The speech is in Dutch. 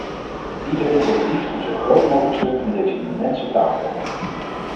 Iedereen wil liefst een zo groot mogelijk stuk van deze immense taart hebben.